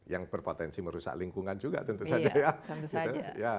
yang berpotensi merusak lingkungan juga tentu saja ya